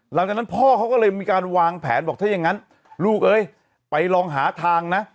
หลังจากนั้นพ่อเขาก็เลยมีการวางแผนบอกถ้าอย่างนั้นลูกเอ้ยไปลองหาทางนะ